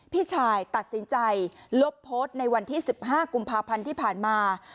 พี่ชายตัดสินใจลบโพสต์ในวันที่๑๕กุมภาพันธ์ที่ผ่านมา